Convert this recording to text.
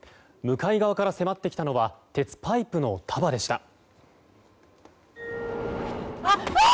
向かい側から迫ってきたのは鉄パイプの束でした。